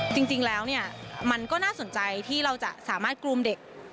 จริงแล้วเนี่ยมันก็น่าสนใจที่เราจะสามารถกรูมเด็ก